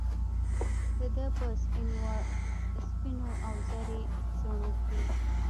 دده په سپینواوزري څڼوکې